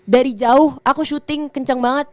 dari jauh aku syuting kenceng banget